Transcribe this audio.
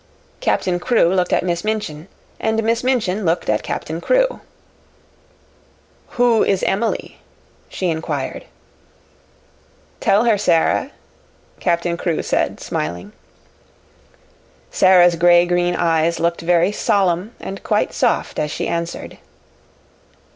Captain Crewe looked at Miss Minchin and Miss Minchin looked at Captain Crewe. "Who is Emily?" she inquired. "Tell her, Sara," Captain Crewe said, smiling. Sara's green gray eyes looked very solemn and quite soft as she answered.